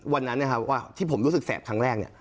วันนั้นที่ผมรู้สึกแสบครั้งแรก